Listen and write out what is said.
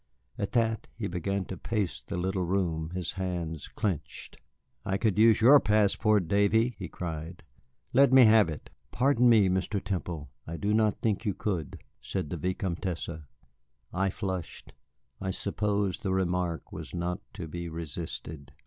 At that he began to pace the little room, his hands clenched. "I could use your passport, Davy," he cried. "Let me have it." "Pardon me, Mr. Temple, I do not think you could," said the Vicomtesse. I flushed. I suppose the remark was not to be resisted.